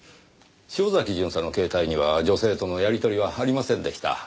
潮崎巡査の携帯には女性とのやり取りはありませんでした。